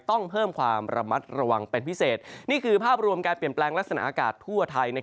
ต้องเพิ่มความระมัดระวังเป็นพิเศษนี่คือภาพรวมการเปลี่ยนแปลงลักษณะอากาศทั่วไทย